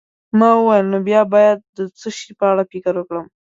ما وویل: نو بیا باید د څه شي په اړه فکر وکړم؟